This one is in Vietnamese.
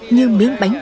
như miếng bánh phàm